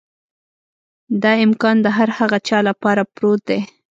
دا امکان د هر هغه چا لپاره پروت دی.